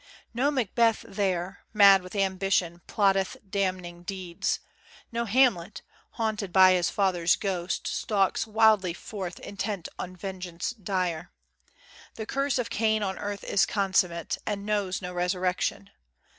No Macbeth there, Mad with ambition, plotteth damning deeds; No Hamlet, haunted by his father's ghost, Stalks wildly forth intent on vengeance dire. The curse of Cain on earth is consummate, And knows no resurrection.